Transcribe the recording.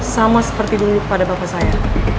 sama seperti dulu kepada bapak saya